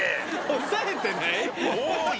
押さえてない？